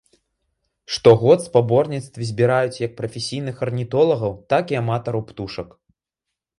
Штогод спаборніцтвы збіраюць як прафесійных арнітолагаў, так і аматараў птушак.